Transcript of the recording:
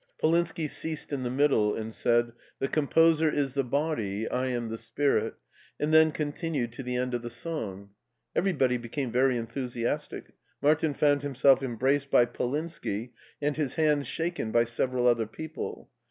Polinski ceased in the middle, and said, " The composer is the body, I am the spirit," and then continued to the end of the song. Everybody became very enthusiastic ; Martin found himself embraced by Polinski, and his hands shaken by several other people.